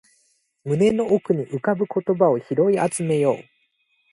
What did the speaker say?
胸の奥に浮かぶ言葉を拾い集めよう